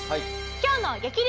今日の激